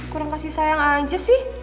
kurang kasih sayang aja sih